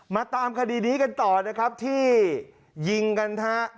มาตามคดีนี้กันต่อนะครับที่ยิงกันฮะ